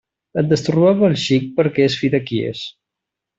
Et destorbava el xic perquè és fill de qui és.